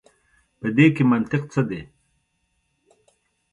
په دې کي منطق څه دی.